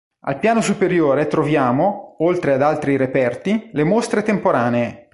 Al piano superiore troviamo, oltre ad altri reperti, le mostre temporanee.